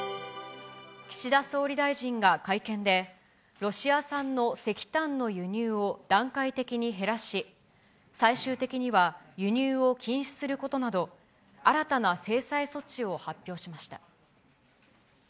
岸田総理大臣が会見で、ロシア産の石炭の輸入を段階的に減らし、最終的には、輸入を禁止することなど、新たな制裁措置を発表しました。